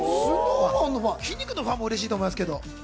きんに君のファンも嬉しいと思いますけど。